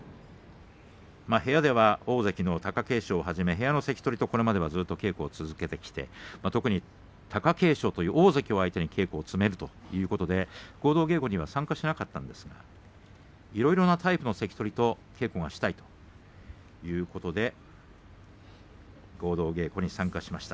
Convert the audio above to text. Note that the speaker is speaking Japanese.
部屋では大関の貴景勝をはじめ部屋の関取とこれまでずっと稽古を続けてきて特に貴景勝という大関相手に稽古を受けることができるということで合同稽古には参加しませんでしたがいろんなタイプの関取と稽古がしたいということで合同稽古に参加しました。